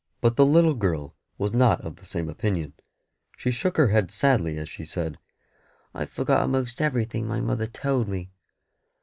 But the little girl was not of the same opinion. She shook her head sadly as she said "I've forgot a'most everything my mother told me."